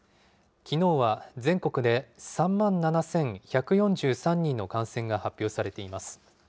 きのうは全国で３万７１４３人の感染が発表されています。